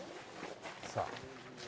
さあ。